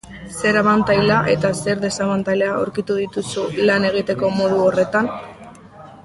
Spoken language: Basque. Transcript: Zer abantaila eta zer desabantaila aurkitu dituzu lan egiteko modu horretan?